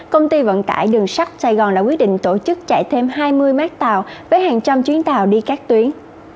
công ty vận tải đường sắt sài gòn đã quyết định tổ chức chạy thêm hai mươi mác tàu với hàng trăm chuyến tàu đi các tuyến